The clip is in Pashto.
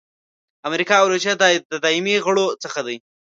امریکا او روسیه د دایمي غړو څخه دي.